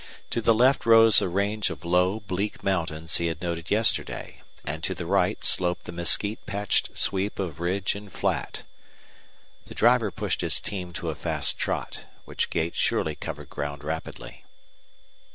To the left rose a range of low, bleak mountains he had noted yesterday, and to the right sloped the mesquite patched sweep of ridge and flat. The driver pushed his team to a fast trot, which gait surely covered ground rapidly.